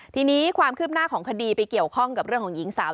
ทีนี้ความคืบหน้าของคดีไปเกี่ยวข้องกับเรื่องของหญิงสาว